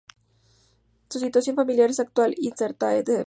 Su situación familiar actual es "incertae sedis".